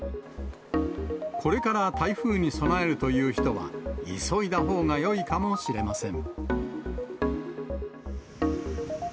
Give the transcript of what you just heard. これから台風に備えるという人は、急いだほうがよいかもしれません。